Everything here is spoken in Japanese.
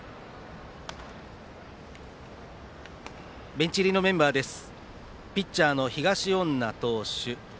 ベンチ入りメンバーです。